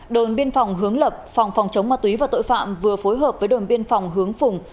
đồn biên phòng hướng lập phòng phòng chống ma túy và tội phạm vừa phối hợp với đồn biên phòng hướng phùng